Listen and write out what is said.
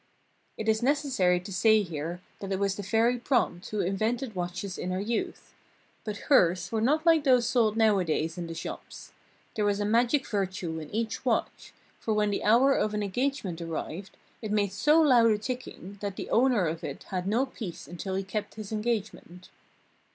It is necessary to say here that it was the Fairy Prompt who invented watches in her youth. But hers were not like those sold nowadays in the shops. There was a magic virtue in each watch, for when the hour of an engagement arrived, it made so loud a ticking that the owner of it had no peace until he kept his engagement.